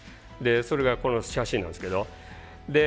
それがこの写真なんですけど。